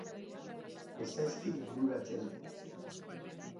Ez zaizkit bururatzen.